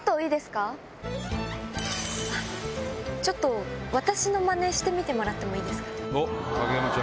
ちょっと私のマネしてみてもらってもいいですか。